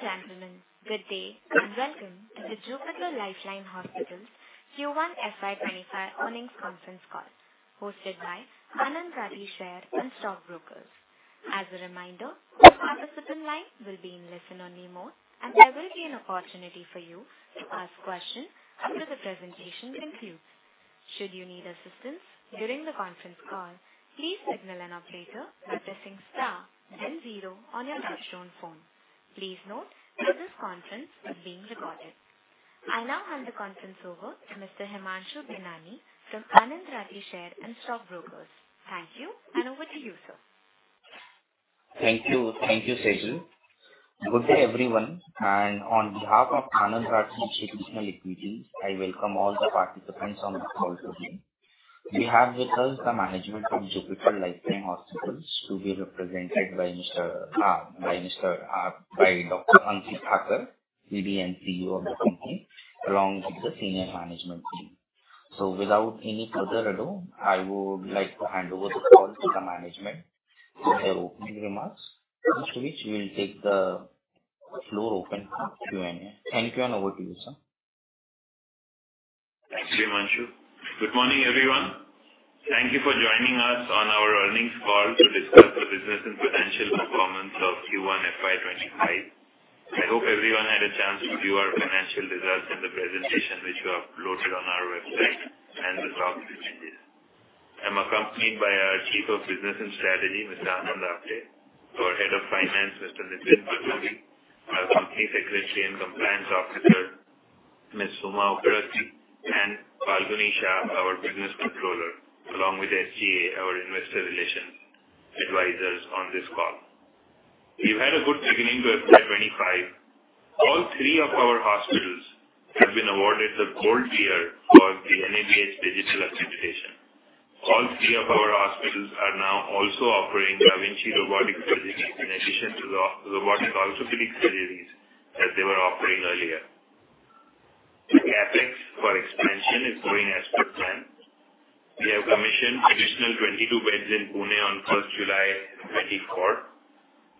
Ladies and gentlemen, good day, and welcome to the Jupiter Life Line Hospitals Q1 FY 2025 earnings conference call, hosted by Anand Rathi Share and Stock Brokers. As a reminder, our participant line will be in listen-only mode, and there will be an opportunity for you to ask questions after the presentation concludes. Should you need assistance during the conference call, please signal an operator by pressing star, then zero on your touchtone phone. Please note that this conference is being recorded. I now hand the conference over to Mr. Himanshu Binani from Anand Rathi Share and Stock Brokers. Thank you, and over to you, sir. Thank you. Thank you, Sejal. Good day, everyone, and on behalf of Anand Rathi Institutional Equity, I welcome all the participants on the call today. We have with us the management from Jupiter Life Line Hospitals, who will be represented by Dr. Ankit Thakker, MD & CEO of the company, along with the senior management team. So without any further ado, I would like to hand over the call to the management for their opening remarks, after which we will open the floor for Q&A. Thank you, and over to you, sir. Thanks, Himanshu. Good morning, everyone. Thank you for joining us on our earnings call to discuss the business and financial performance of Q1 FY 2025. I hope everyone had a chance to view our financial results and the presentation, which we uploaded on our website and the stock exchanges. I'm accompanied by our Chief of Business and Strategy, Mr. Anand Apte, our Head of Finance, Mr. Nitesh Patwardhan, our Company Secretary and Compliance Officer, Ms. Suma Upadhyay, and Falguni Shah, our Business Controller, along with SGA, our investor relations advisors on this call. We've had a good beginning to FY 2025. All three of our hospitals have been awarded the Gold Tier for the NABH digital accreditation. All three of our hospitals are now also offering da Vinci robotic surgeries in addition to the robotic orthopedic surgeries that they were offering earlier. The CapEx for expansion is going as per plan. We have commissioned additional 22 beds in Pune on first July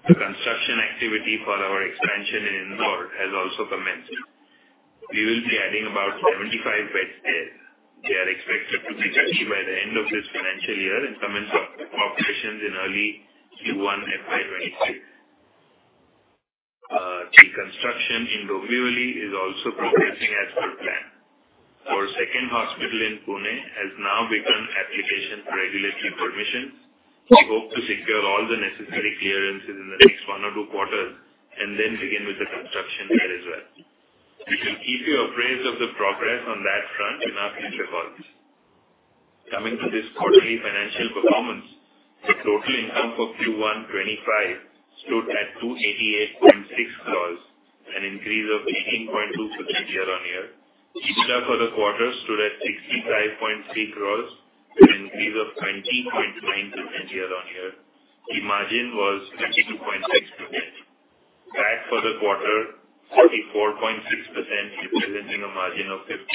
2024. The construction activity for our expansion in Indore has also commenced. We will be adding about 75 beds there. They are expected to be ready by the end of this financial year and commence operations in early Q1 FY 2025. The construction in Dombivli is also progressing as per plan. Our second hospital in Pune has now begun application for regulatory permissions. We hope to secure all the necessary clearances in the next one or two quarters, and then begin with the construction there as well. We shall keep you appraised of the progress on that front in our future calls. Coming to this quarterly financial performance, the total income for Q1 2025 stood at 288.6 crores, an increase of 18.2% year-on-year. EBITDA for the quarter stood at 65.3 crores, an increase of 20.9% year-on-year. The margin was 52.6%. PAT for the quarter, 44.6%, representing a margin of 15.5%.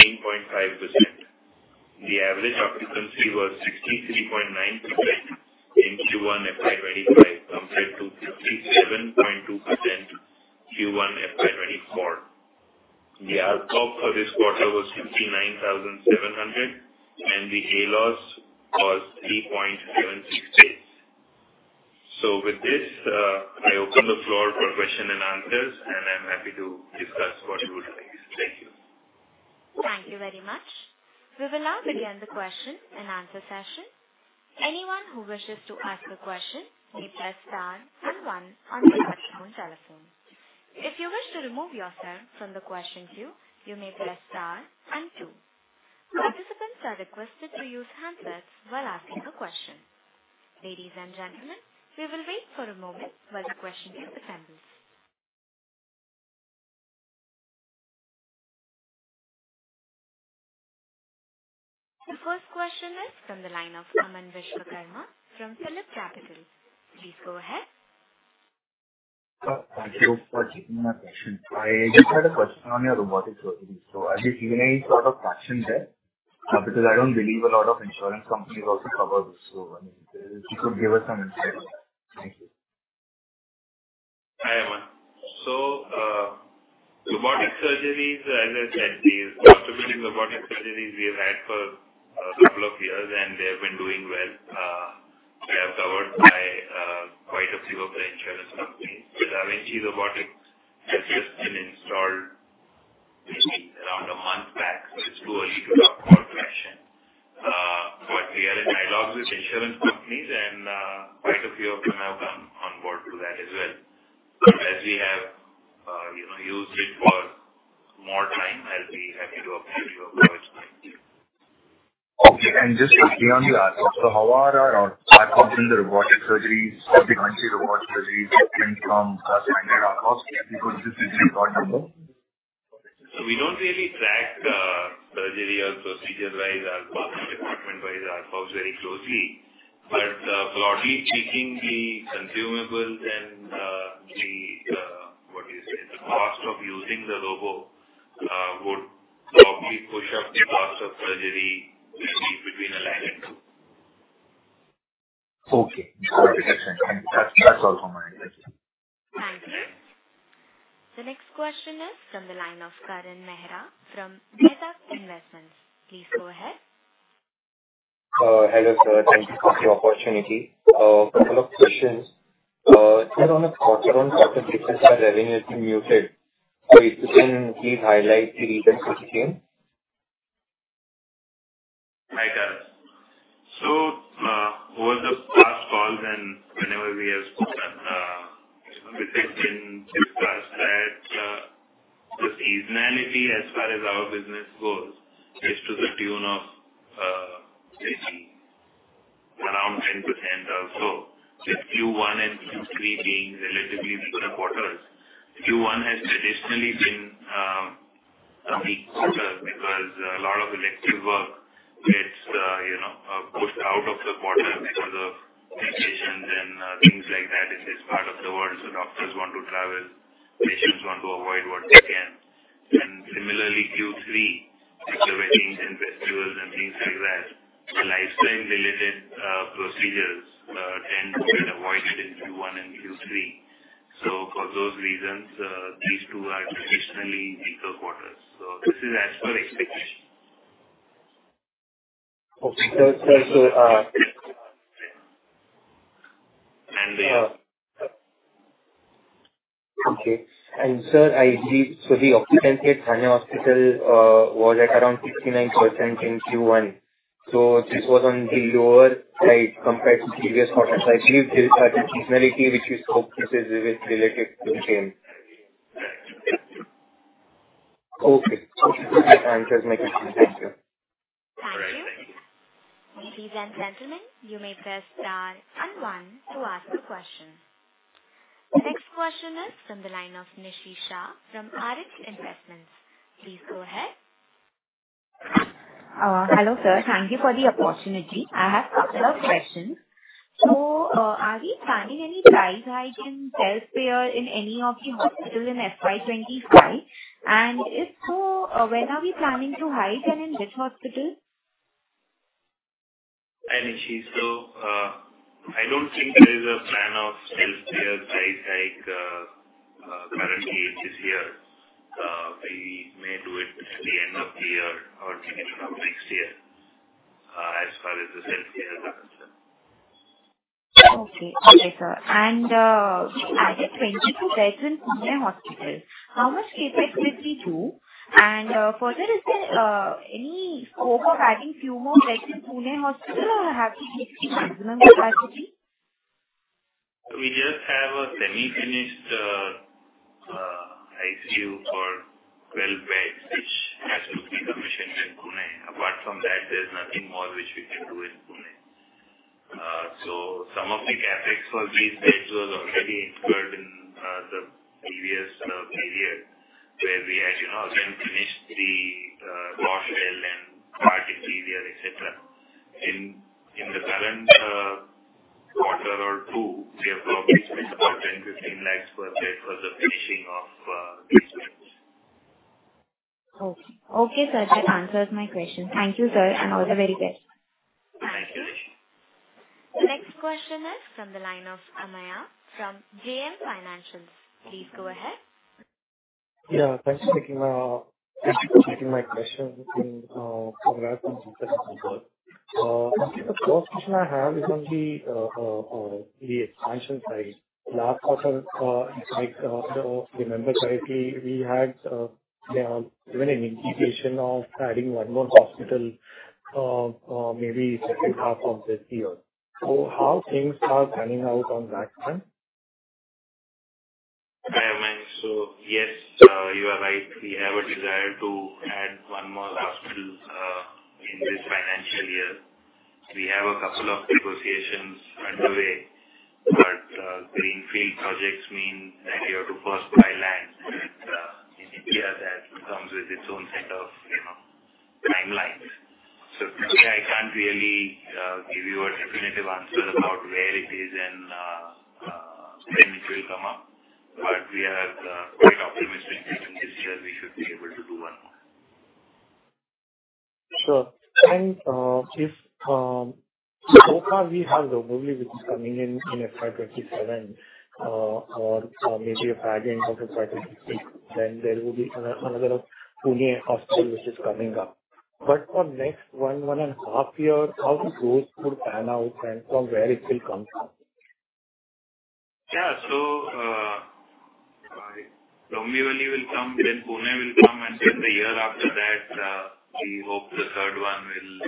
The average occupancy was 63.9% in Q1 FY 2025, compared to 57.2% Q1 FY 2024. The ARPOB for this quarter was 59,700, and the ALOS was 3.76 days. So with this, I open the floor for question and answers, and I'm happy to discuss further with you. Thank you. Thank you very much. We will now begin the question and answer session. Anyone who wishes to ask a question needs to press star one on your touchtone telephone. If you wish to remove yourself from the question queue, you may press star two. Participants are requested to use handsets while asking a question. Ladies and gentlemen, we will wait for a moment while the question queue prepares. The first question is from the line of Aman Vishwakarma from PhillipCapital. Please go ahead. Thank you for taking my question. I just had a question on your robotic surgeries. So are you seeing any sort of traction there? Because I don't believe a lot of insurance companies also cover this. So if you could give us some insight on that. Thank you. Hi, Aman. So, robotic surgeries, as I said, the orthopedic robotic surgeries we have had for a couple of years, and they have been doing well. They are covered by quite a few of the insurance companies. The da Vinci robotic has just been installed around a month back, so it's too early to talk about traction. But we are in dialogues with insurance companies, and quite a few of them have come on board to that as well. So as we have, you know, used it for more time, I'll be happy to update you on that. Thank you. Okay, and just quickly on the ARPOB, so how are our ARPOBs in the robotic surgeries or the da Vinci robotic surgeries different from the standard ARPOBs, because this is important to know? So we don't really track, surgery or procedure-wise, ARPOB department-wise, ARPOBs very closely. But, broadly speaking, the consumables and, what do you say? The cost of using the robo, would probably push up the cost of surgery between 1 lakh.... Okay, got it. That's, that's all for me. Thank you. Thank you. The next question is from the line of Karan Mehra from Veda Investment. Please go ahead. Hello, sir. Thank you for the opportunity. Couple of questions. So on a quarter-on-quarter basis, our revenue has been muted. So if you can please highlight the reasons for the same. Hi, guys. So, over the last calls and whenever we have spoken, we have been discussed that, the seasonality as far as our business goes is to the tune of, let's see, around 10% or so, with Q1 and Q3 being relatively slower quarters. Q1 has traditionally been a weak quarter because a lot of elective work gets, you know, pushed out of the quarter because of vacations and things like that. It is part of the world, so doctors want to travel, patients want to avoid what they can. And similarly, Q3, with weddings and festivals and things like that, the lifestyle related procedures tend to get avoided in Q1 and Q3. So for those reasons, these two are traditionally weaker quarters. So this is as per expectation. Okay, sir. Okay, and sir, I read so the occupancy at Indore Hospital was at around 59% in Q1, so this was on the lower side compared to previous quarters. I believe there's a seasonality which you spoke, this is related to the change. Okay. Okay, that answers my question. Thank you. Thank you. Ladies and gentlemen, you may press star and one to ask a question. The next question is from the line of Nishi Shah from Arete Investments. Please go ahead. Hello, sir. Thank you for the opportunity. I have couple of questions. So, are we planning any price hike in self-payer in any of the hospitals in FY 2025? And if so, when are we planning to hike and in which hospital? Hi, Nishi. So, I don't think there is a plan of self-payer price hike currently, which is here. We may do it at the end of the year or beginning of next year, as far as the self-payer is concerned. Okay. Okay, sir. And you added 22 beds in Pune Hospital. How much capacity do...? And further, is there any scope of adding few more beds in Pune Hospital or have we reached the maximum capacity? We just have a semi-finished ICU for 12 beds, which has to be commissioned in Pune. Apart from that, there's nothing more which we can do in Pune. So some of the CapEx for these beds was already incurred in the previous period, where we had, you know, then finished the washroom and pantry area, et cetera. In the current quarter or two, we have probably spent about 10-15 lakhs per bed for the finishing of these beds. Okay. Okay, sir, that answers my question. Thank you, sir, and all the very best. Thank you, Nishi. Next question is from the line of Ameya from JM Financial. Please go ahead. Yeah, thanks for taking, thank you for taking my question. Congrats on success as well. Okay, the first question I have is on the expansion side. Last quarter, if I remember correctly, we had, yeah, even an indication of adding one more hospital, maybe second half of this year. So how things are panning out on that front? Hi, Ameya. So yes, you are right. We have a desire to add one more hospital, in this financial year. We have a couple of negotiations underway, but, Greenfield projects mean that you have to first buy land. In India, that comes with its own set of, you know, timelines. So today, I can't really, give you a definitive answer about where it is and, when it will come up, but we are, quite optimistic that this year we should be able to do one more. Sure. And so far we have Dombivli, which is coming in in FY 2027, or maybe at the end of FY 2026, then there will be another of Pune Hospital which is coming up. But for next one and a half year, how the growth would pan out and from where it will come from? Yeah. So, Dombivli will come, then Pune will come, and then the year after that, we hope the third one will,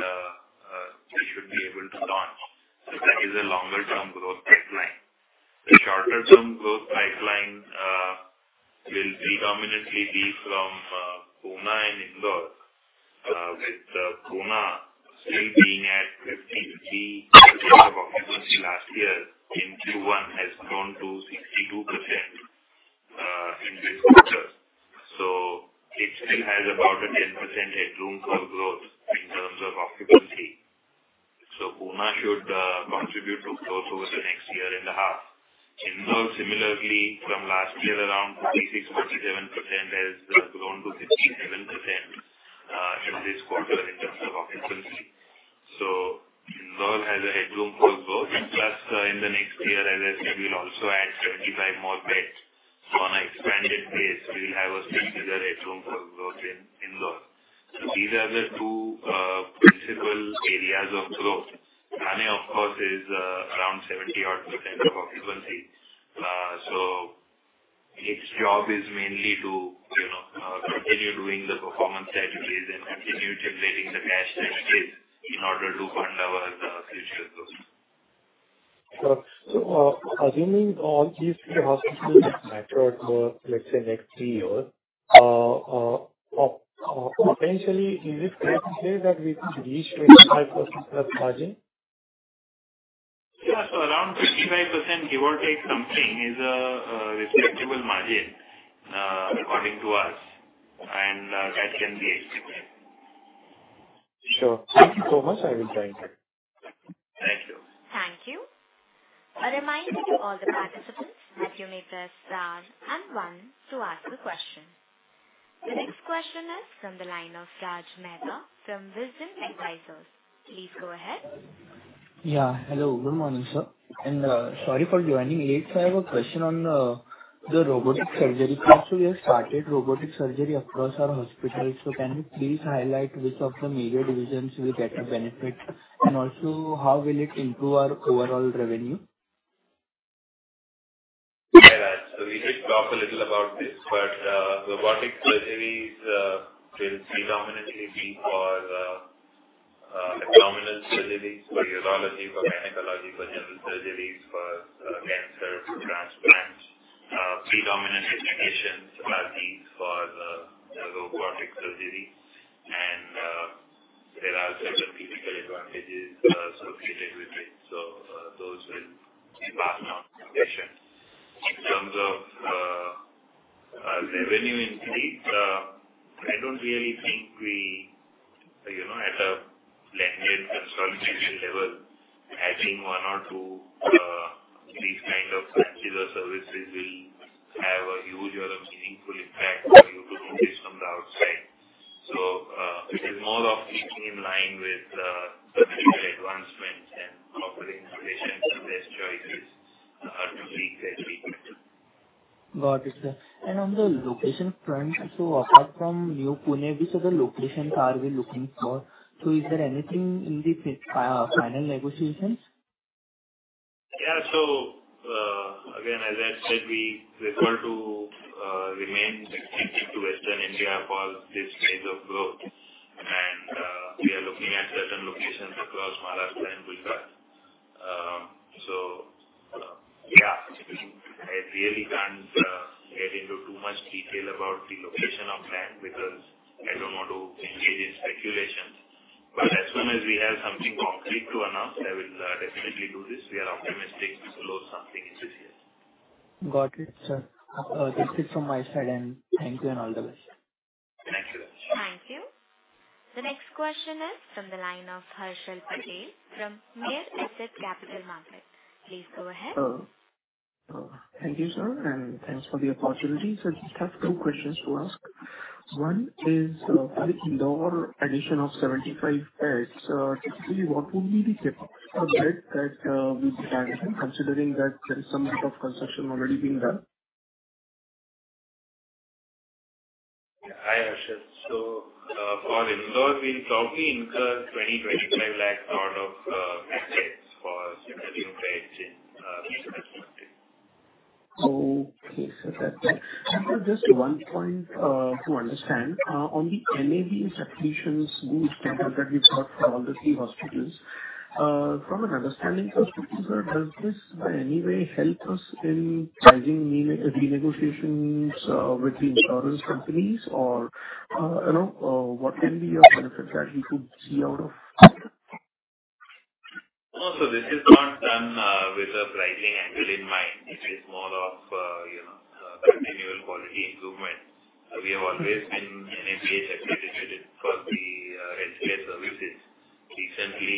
we should be able to launch. So that is a longer term growth pipeline. The shorter term growth pipeline will predominantly be from Pune and Indore, with Pune still being at 53% of occupancy last year in Q1 has grown to 62% in this quarter. So it still has about a 10% headroom for growth in terms of occupancy. So Pune should contribute to growth for-...and a half. Indore, similarly, from last year, around 36%-37% has grown to 67% in this quarter in terms of occupancy. So Indore has a headroom for growth, plus, in the next year, as I said, we'll also add 75 more beds. So on an expanded base, we will have a significant headroom for growth in Indore. So these are the two principal areas of growth. Thane, of course, is around 70-odd% occupancy. So its job is mainly to, you know, continue doing the performance that it is and continue generating the cash that it is in order to fund our future growth. Sure. So, assuming all these three hospitals mature growth, let's say next three years, potentially, is it fair to say that we could reach 25%+ margin? Yeah. So around 25%, give or take something, is a respectable margin, according to us, and that can be expected. Sure. Thank you so much. I will thank you. Thank you. Thank you. A reminder to all the participants that you may press star and one to ask a question. The next question is from the line of Raj Mehta from Vision Advisors. Please go ahead. Yeah, hello. Good morning, sir, and sorry for joining late. I have a question on the robotic surgery. So we have started robotic surgery across our hospitals, so can you please highlight which of the major divisions will get a benefit, and also how will it improve our overall revenue? Yeah, so we did talk a little about this, but, robotic surgeries, will predominantly be for, abdominal surgeries, for urology, for gynecology, for general surgeries, for, cancer, transplants. Predominant indications are these for the, robotic surgery, and, there are certain physical advantages, associated with it. So, those will pass on patient. In terms of, revenue increase, I don't really think we, you know, at a blended consolidation level, adding one or two, these kind of services or services will have a huge or a meaningful impact for you to notice from the outside. So, it is more of keeping in line with, certain advancements and offering patients the best choices, to treat their treatment. Got it, sir. On the location front, so apart from New Pune, which other locations are we looking for? So is there anything in the final negotiations? Yeah. So, again, as I said, we prefer to remain restricted to Western India for this phase of growth. And, we are looking at certain locations across Maharashtra and Gujarat. So, yeah, I really can't get into too much detail about the location of land because I don't want to engage in speculation. But as soon as we have something concrete to announce, I will definitely do this. We are optimistic to close something this year. Got it, sir. That's it from my side, and thank you and all the best. Thank you. Thank you. The next question is from the line of Harshal Patel from Mirae Asset Capital Markets. Please go ahead. Thank you, sir, and thanks for the opportunity. So I just have two questions to ask. One is, for the Indore addition of 75 beds, typically, what would be the CapEx per bed that we plan, considering that there is some bit of construction already being done? Hi, Harshal. So, for Indore, we'll probably incur 20-25 lakhs sort of CapEx for setting up beds in this perspective. Okay, sir. That's it. And just one point to understand on the NABH accreditations boost that we've got for all the three hospitals from an understanding perspective, sir, does this by any way help us in pricing renegotiations with the insurance companies? Or, you know, what can be a benefit that we could see out of? No, so this is not done with a pricing angle in mind. It is more of, you know, continual quality improvement. We have always been NABH accredited for the registered services. Recently,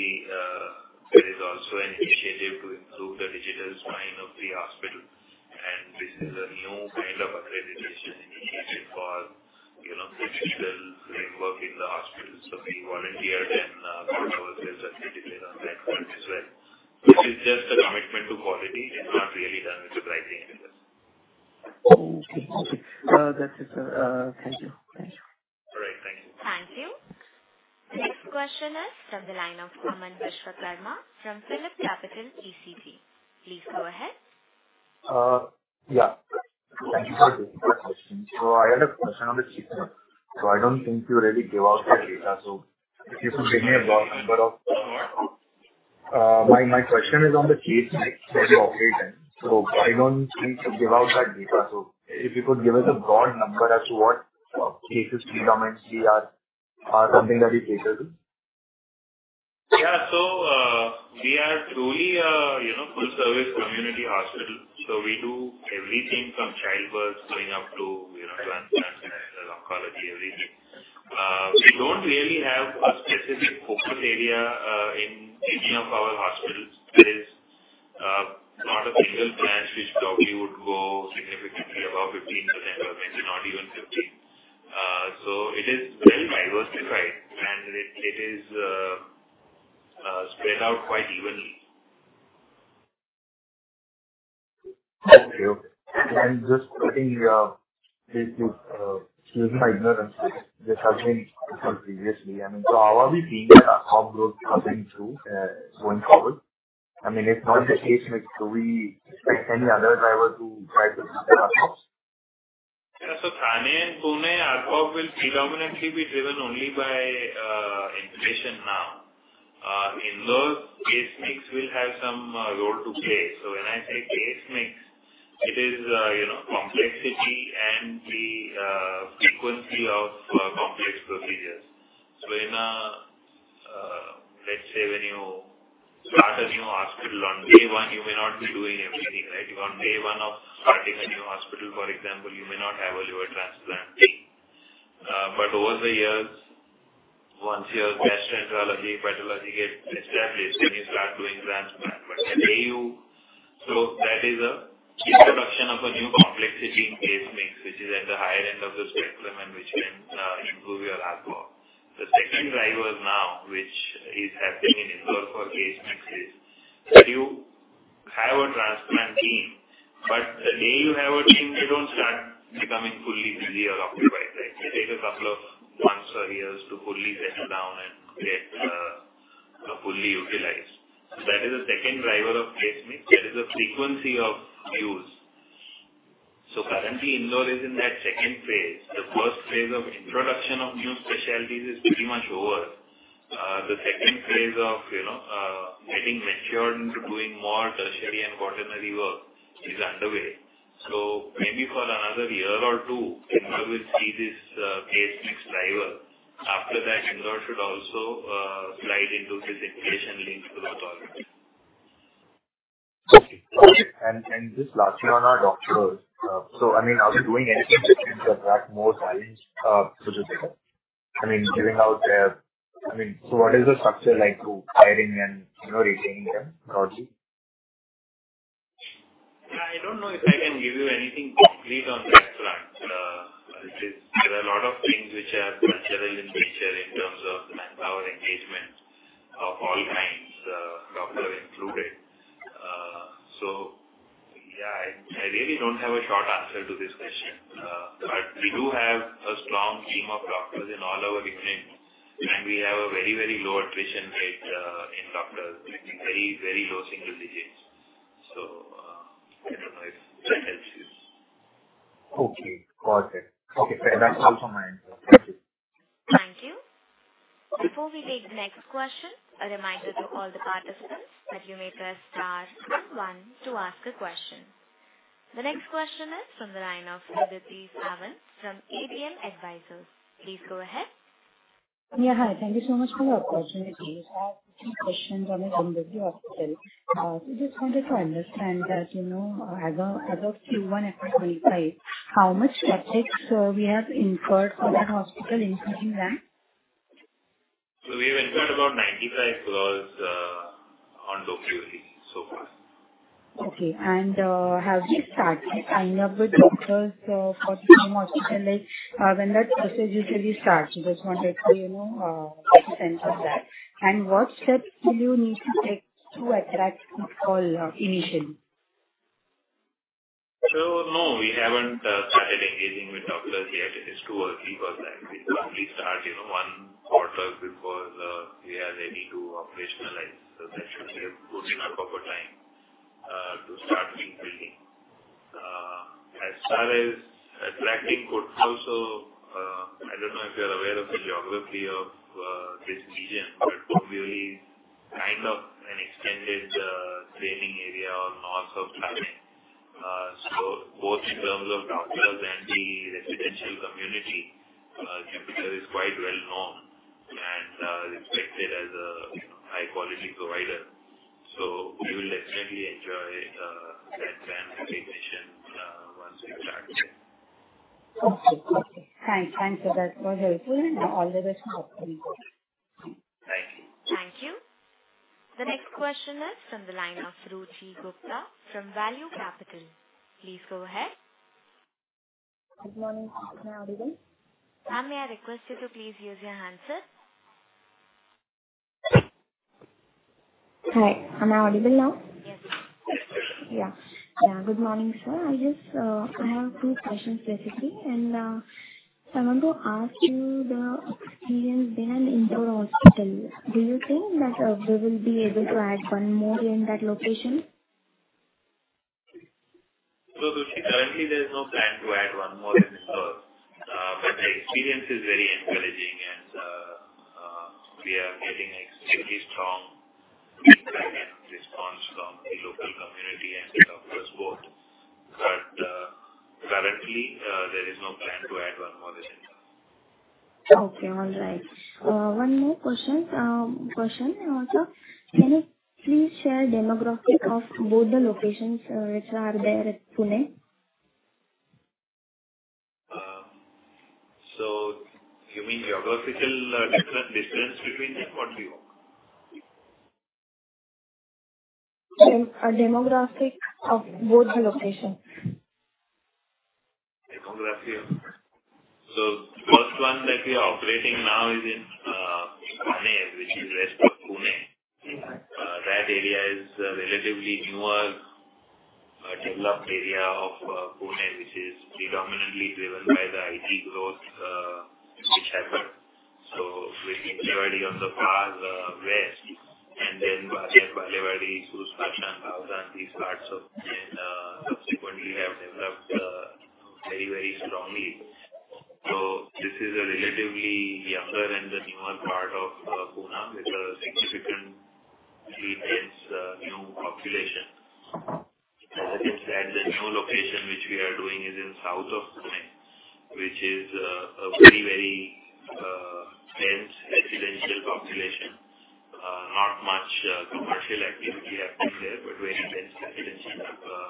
there is also an initiative to improve the digital spine of the hospital, and this is a new kind of accreditation initiative for, you know, digital framework in the hospital. So we volunteered and got ourselves accredited on that front as well. This is just a commitment to quality and not really done with the pricing anywhere. Okay. Okay. That's it, sir. Thank you. Thank you. All right. Thank you. Thank you. Next question is from the line of Aman Vishwakarma from PhillipCapital. Please go ahead. Yeah. Thank you for taking my question. So I had a question on the Q1. So I don't think you really gave out the data, so if you could give me a broad number of... My question is on the case mix per operating, so I don't think you give out that data. So if you could give us a broad number as to what cases predominantly are, are something that is related to. Yeah. So, we are truly a, you know, full service community hospital. So we do everything from childbirth going up to, you know, transplant and oncology, everything. We don't really have a specific focal area in any of our hospitals. There is not a single branch which probably would go significantly above 15%, maybe not even 15. So it is very diversified, and it, it is spread out quite evenly. Thank you. And just putting, this is, excuse my ignorance, this has been previously. I mean, so how are we seeing ARPOB passing through, going forward? I mean, it's not the case, like, do we expect any other driver to try to beat the ARPOB? Yeah, so Thane and Pune ARPOB will predominantly be driven only by inflation now. In those, case mix will have some role to play. So when I say case mix, it is, you know, complexity and the frequency of complex procedures. So in, let's say when you start a new hospital on day one, you may not be doing everything, right? On day one of starting a new hospital, for example, you may not have a liver transplant team. But over the years, once your gastroenterology, pathology get established, then you start doing transplant. But the day you-- So that is an introduction of a new complexity in case mix, which is at the higher end of the spectrum and which can improve your ARPOB. The second driver now, which is happening in Indore for case mix, is that you have a transplant team, but the day you have a team, they don't start becoming fully busy or occupied, right? It take a couple of months or years to fully settle down and get, you know, fully utilized. So that is the second driver of case mix. That is the frequency of use. So currently, Indore is in that second phase. The first phase of introduction of new specialties is pretty much over. The second phase of, you know, getting matured into doing more tertiary and quaternary work is underway. So maybe for another year or two, Indore will see this, case mix driver. After that, Indore should also, slide into this inflation linked growth model. Okay. And just lastly on our doctors, so I mean, are we doing anything to attract more talent to the sector? I mean, giving out... I mean, so what is the structure like to hiring and, you know, retaining them broadly? Yeah, I don't know if I can give you anything concrete on that front. It is, there are a lot of things which are structural in nature in terms of manpower engagement of all kinds, doctor included. So yeah, I really don't have a short answer to this question, but we do have a strong team of doctors in all our clinics, and we have a very, very low attrition rate in doctors, very, very low single digits. So, I don't know if that helps you. Okay, got it. Okay, fair. That's also my answer. Thank you. Thank you. Before we take the next question, a reminder to all the participants that you may press star then one to ask a question. The next question is from the line of Udip Sawan from ABM Advisors. Please go ahead. Yeah, hi. Thank you so much for the opportunity. I have two questions on the Indore hospital. I just wanted to understand that, you know, as of Q1 at 25, how much CapEx we have incurred for that hospital including land? We have incurred about 95 crore on Indore only so far. Okay. And, have you started signing up with doctors, for the new hospital? Like, when that process usually starts, just wanted to, you know, get a sense of that. And what steps will you need to take to attract people, initially? So no, we haven't started engaging with doctors yet. It is too early for that. We'll probably start, you know, one quarter before we are ready to operationalize the center. So it's not proper time to start team building. As far as attracting doctors also, I don't know if you're aware of the geography of this region, but Indore is kind of an extended training area or north of training. So both in terms of doctors and the residential community, the hospital is quite well known and respected as a, you know, high-quality provider. So we will definitely enjoy that brand recognition once we start there. Okay. Okay. Thanks. Thanks, sir. That was helpful. All the best for the future. Thank you. Thank you. The next question is from the line of Ruchi Gupta from Value Capital. Please go ahead. Good morning. Am I audible? Ma'am, may I request you to please use your handset? Hi, am I audible now? Yes. Yeah. Yeah. Good morning, sir. I just, I have two questions basically. I want to ask you the experience behind Indore Hospital. Do you think that we will be able to add one more in that location? So Ruchi, currently there's no plan to add one more in Indore, but the experience is very encouraging and we are getting extremely strong feedback and response from the local community and the doctors both. But, currently, there is no plan to add one more in Indore. Okay. All right. One more question, question. Can you please share demographics of both the locations, which are there at Pune? So you mean geographical, different distance between them? What do you mean? A demographic of both the location. Demography. So the first one that we are operating now is in Pune, which is west of Pune. That area is a relatively newer developed area of Pune, which is predominantly driven by the IT growth, which happened. So with Hinjawadi on the far west, and then Wakad, Sus, Pashan, Bhosari, these parts then subsequently have developed very, very strongly. So this is a relatively younger and the newer part of Pune, with a significantly dense new population. At the new location, which we are doing is in south of Pune, which is a very, very dense residential population. Not much commercial activity happening there, but very dense residential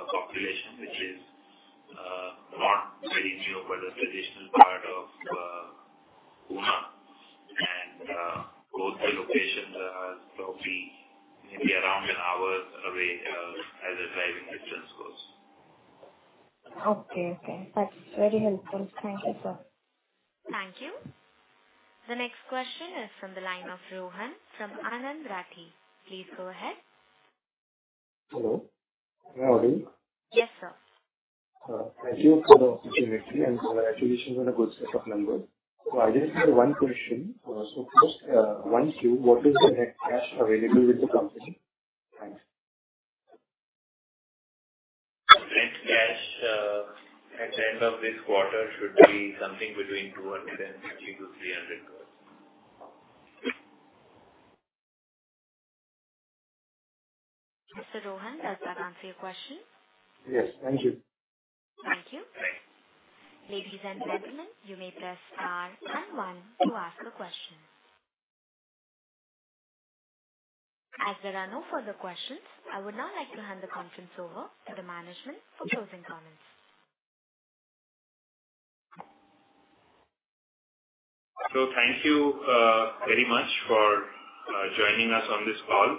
population, which is not very new, but the traditional part of Pune. Both the locations are probably maybe around an hour away, as a driving distance goes. Okay. Okay, that's very helpful. Thank you, sir. Thank you. The next question is from the line of Rohan from Anand Rathi. Please go ahead. Hello. Can you hear me? Yes, sir. Thank you for the opportunity, and congratulations on a good set of numbers. So I just have one question. First, Q: What is the net cash available with the company? Thanks. Net cash at the end of this quarter should be something between 250 crore-300 crore. Mr. Rohan, does that answer your question? Yes. Thank you. Thank you. Thanks. Ladies and gentlemen, you may press star and one to ask a question. As there are no further questions, I would now like to hand the conference over to the management for closing comments. Thank you very much for joining us on this call.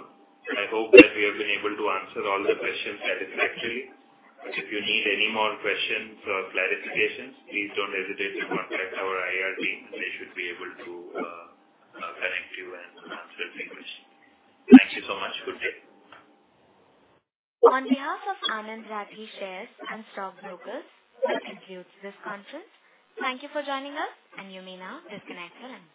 I hope that we have been able to answer all the questions satisfactorily. If you need any more questions or clarifications, please don't hesitate to contact our IR team. They should be able to connect you and answer your questions. Thank you so much. Good day. On behalf of Anand Rathi Share and Stock Brokers, we conclude this conference. Thank you for joining us, and you may now disconnect your lines.